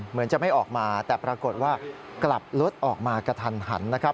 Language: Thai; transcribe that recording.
เหมือนจะไม่ออกมาแต่ปรากฏว่ากลับรถออกมากระทันหันนะครับ